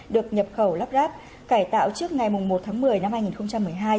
được nhập khẩu lắp ráp cải tạo trước ngày một tháng một mươi năm hai nghìn một mươi hai